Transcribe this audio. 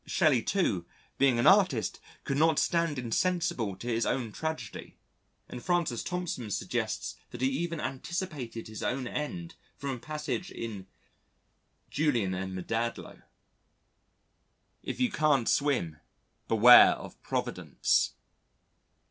Shelley, too, being an artist could not stand insensible to his own tragedy and Francis Thompson suggests that he even anticipated his own end from a passage in Julian and Maddalo, "... if you can't swim, Beware of Providence."